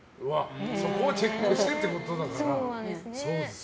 そこをチェックしてということだから。